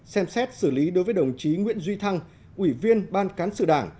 xem xét xử lý đối với đồng chí nguyễn duy thăng ủy viên ban cán sự đảng